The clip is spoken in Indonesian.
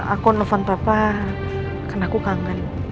aku nelfon papa karena aku kangen